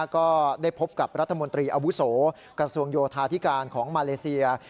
ก็ได้พบกับรัฐมนตรีอาวุโสกระทรวงโยธาธิการของมาเลเซีย